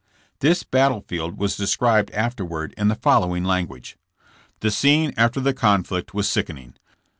This battlefield was described afterward in the following language: "The scene after the conflict was sickening.